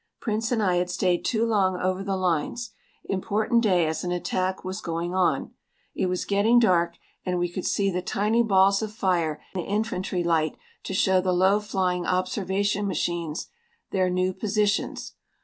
Prince and I had stayed too long over the lines. Important day as an attack was going on. It was getting dark and we could see the tiny balls of fire the infantry light to show the low flying observation machines their new positions.